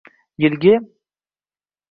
- yilgi